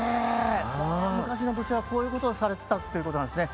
昔の武将はこういうことをされてたっていうことなんですね。